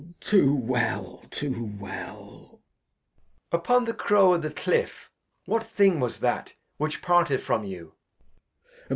Glost. Too well, too well. Edg. Upon the Brow o' th' Cliff, what Thing was that Which parted from you